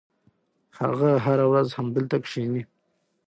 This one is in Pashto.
هغه هره ورځ همدلته کښېني.